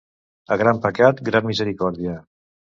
A gran pecat, gran misericòrdia.